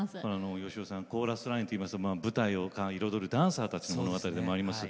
芳雄さん「コーラスライン」といいますと舞台を彩るダンサーたちの物語でもあります。